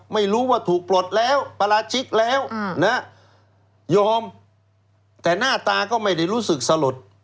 ไม่รู้ว่าถูกปลดแล้วปราชิกแล้วยอมแต่หน้าตาก็ไม่ได้รู้สึกสลด